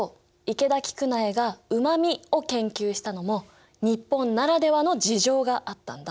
池田菊苗がうま味を研究したのも日本ならではの事情があったんだ。